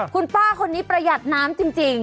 คุณป้าคนนี้ประหยัดน้ำจริง